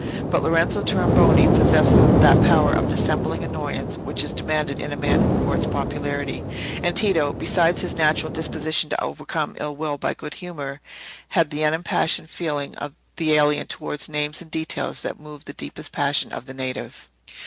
But Lorenzo Tornabuoni possessed that power of dissembling annoyance which is demanded in a man who courts popularity, and Tito, besides his natural disposition to overcome ill will by good humour, had the unimpassioned feeling of the alien towards names and details that move the deepest passions of the native.